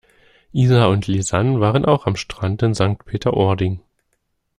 Isa und Lisann waren auch am Strand in Sankt Peter-Ording.